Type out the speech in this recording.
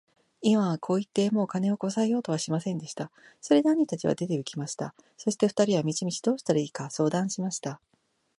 イワンはこう言って、もう金をこさえようとはしませんでした。それで兄たちは出て行きました。そして二人は道々どうしたらいいか相談しました。